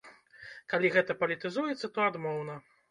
Калі гэта палітызуецца, то адмоўна.